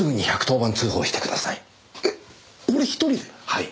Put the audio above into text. はい。